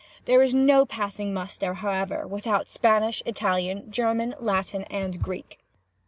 There is no passing muster, however, without Spanish, Italian, German, Latin, and Greek.